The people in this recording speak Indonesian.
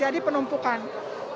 jadi kita menampung penumpukan